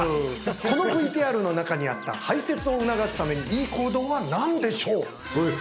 このＶＴＲの中にあった排泄を促すためにいい行動は何でしょう？